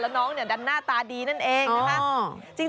แล้วน้องเนี่ยดันหน้าตาดีนั่นเองนะคะ